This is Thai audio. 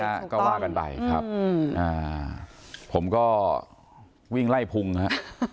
ใช่ค่ะก็ว่ากันไปครับผมก็วิ่งไล่พุงฮะ